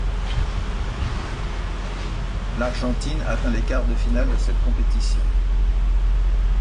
L'Argentine atteint les quarts de finale de cette compétition.